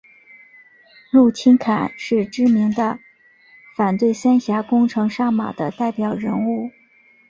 陆钦侃是知名的反对三峡工程上马的代表人物。